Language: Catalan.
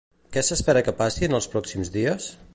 Què s'espera que passi en els pròxims dies?